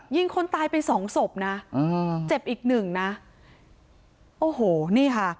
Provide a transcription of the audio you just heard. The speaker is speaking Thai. ยิงคนตายไปสองศพนะอ่าเจ็บอีกหนึ่งนะโอ้โหนี่ค่ะ